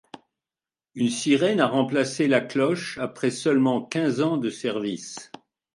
Une sirène a remplacé la cloche après seulement quinze ans de service.